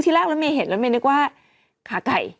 ทีแรกเราไม่เห็นเราไม่นึกว่าขาไก่